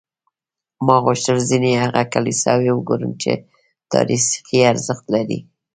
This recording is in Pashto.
ما غوښتل ځینې هغه کلیساوې وګورم چې تاریخي ارزښت لري.